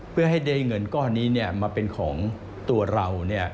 เพื่อให้ได้เงินก้อนนี้มาเป็นของตัวเรา